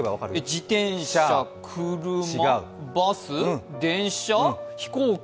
自転車、車、バス、電車、飛行機？